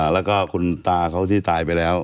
แล้วก็คุณตาเขาที่ตายไปแล้ว